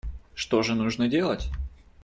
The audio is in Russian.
Что же нужно делать?